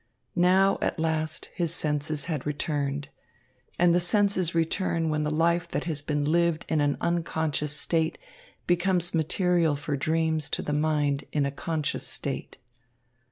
Now at last his senses had returned. And the senses return when the life that has been lived in an unconscious state becomes material for dreams to the mind in a conscious state.